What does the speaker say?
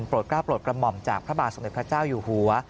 กล้าโปรดกระหม่อมจากพระบาทสมเด็จพระเจ้าอยู่หัว